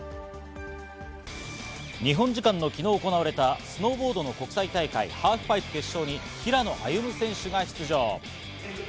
日本時間の昨日行われたスノーボードの国際大会、ハーフパイプ決勝に平野歩夢選手が出場。